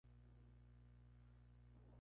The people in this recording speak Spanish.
Era un endemismo de la isla de Mauricio.